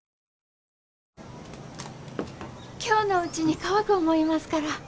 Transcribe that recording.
今日のうちに乾く思いますから。